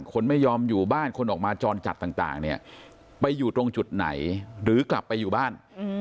คนไม่ยอมอยู่บ้านคนออกมาจรจัดต่างเนี่ยไปอยู่ตรงจุดไหนหรือกลับไปอยู่บ้าน